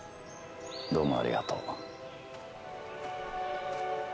・どうもありがとう。